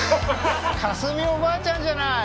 架純おばあちゃんじゃない。